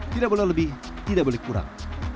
tidak boleh lebih tidak boleh kurang